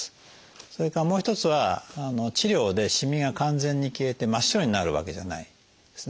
それからもう一つは治療でしみが完全に消えて真っ白になるわけじゃないんですね。